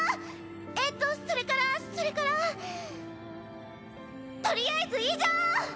えっとそれからそれからとりあえず以上！